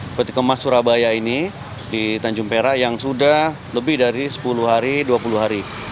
seperti kemas surabaya ini di tanjung perak yang sudah lebih dari sepuluh hari dua puluh hari